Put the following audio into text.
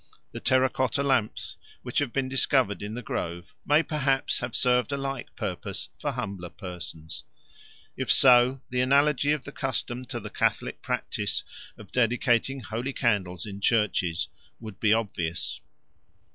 The terra cotta lamps which have been discovered in the grove may perhaps have served a like purpose for humbler persons. If so, the analogy of the custom to the Catholic practice of dedicating holy candles in churches would be obvious.